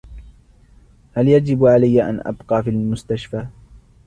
هل يجب علي أن أبقى في المستشفى ؟